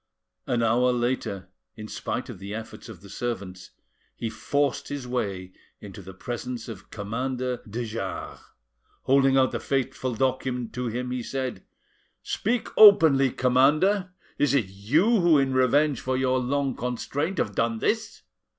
An hour later, in spite of the efforts of the servants, he forced his way into the presence of Commander de Jars. Holding out the fateful document to him, he said: "Speak openly, commander! Is it you who in revenge for your long constraint have done this?